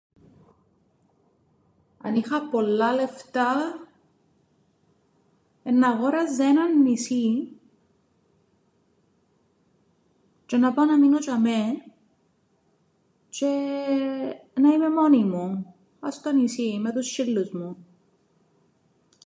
Αν είχα πολλά λεφτά εννά αγόραζα έναν νησίν τζ̆αι να πάω να μείνω τζ̆ειαμαί τζ̆αι να είμαι μόνη μου πά' στο νησίν με τους σ̆σ̆ύλλους μου.